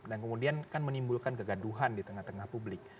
dan kemudian kan menimbulkan kegaduhan di tengah tengah publik